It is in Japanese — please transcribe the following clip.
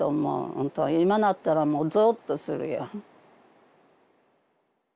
ほんと今なったらもうゾッとするよ。